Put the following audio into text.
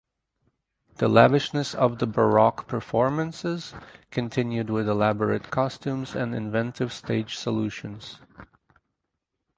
The lavishness of the Baroque performances continued with elaborate costumes and inventive stage solutions.